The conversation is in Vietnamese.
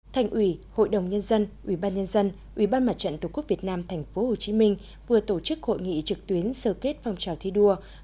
thành ủy hội đồng nhân dân ubnd ubnd tqvn tp hcm vừa tổ chức hội nghị trực tuyến sơ kết phong trào thi đua